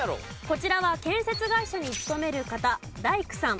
こちらは建設会社に勤める方大工さん